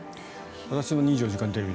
私も「２４時間テレビ」